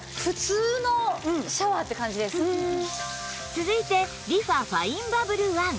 続いてリファファインバブルワン